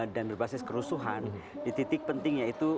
dan berbasis kerusuhan di titik pentingnya itu